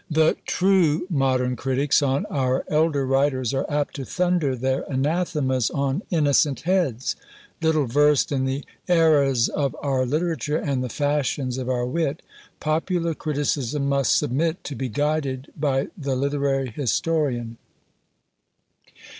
The "true" modern critics on our elder writers are apt to thunder their anathemas on innocent heads: little versed in the eras of our literature, and the fashions of our wit, popular criticism must submit to be guided by the literary historian.